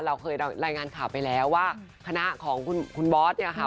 เราเคยรายงานข่าวไปแล้วว่าคณะของคุณบอสเนี่ยค่ะ